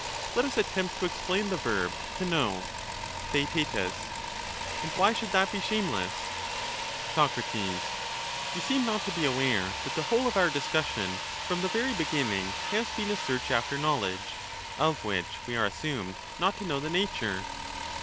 Let us attempt to explain the verb 'to know.' As a last re Theaet. And why should that be shameless ?^^.* Sac. You seem not to be aware that the whole of our What is the discussion from the very beginning has been a search after ?J^"^w°? knowledge, of which we are assumed not to know the nature.